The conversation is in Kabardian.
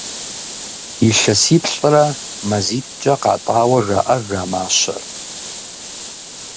Илъэсиплӏрэ мазитӏкӏэ къатӏауэ жаӏэж а мащэр.